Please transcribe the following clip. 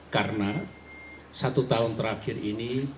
karena satu tahun terakhir ini